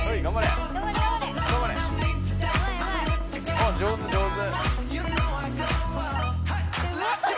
おっ上手上手。